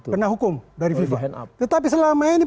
kena hukum dari viva tetapi selama ini